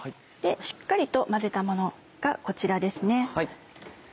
しっかりと混ぜたものがこちらですね。